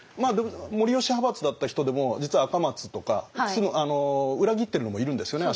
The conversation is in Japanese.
護良派閥だった人でも実は赤松とか裏切ってるのもいるんですよね。